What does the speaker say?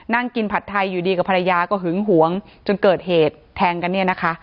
นั่งกินผัดไทยอยู่ดีกับภรรยาก็หึงหวงจนเกิดเหตุแทงกันเนี่ยนะคะ